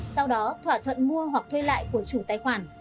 sau đó thỏa thuận mua hoặc thuê lại của chủ tài khoản